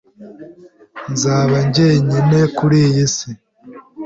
Nzaba jyenyine kuriyi si.